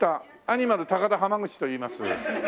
アニマル高田浜口といいます。